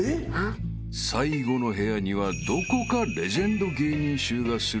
［最後の部屋にはどこかレジェンド芸人臭がする］